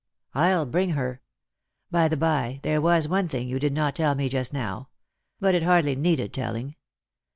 " I'll bring her. By the bye, there was one thing you did not tell me just now ; but it hardly needed telling.